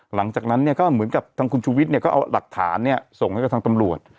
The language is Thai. หลังจากนั้นเนี่ยก็เหมือนกับทางคุณชูวิทย์เนี่ยก็เอาหลักฐานส่งให้กับทางตำรวจ